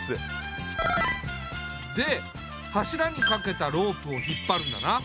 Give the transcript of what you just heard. で柱にかけたロープを引っ張るんだな。